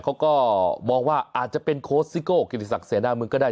เขาก็มองว่าอาจจะเป็นโคสต์ซิโก้กินที่ศักดิ์เสียหน้ามึงก็ได้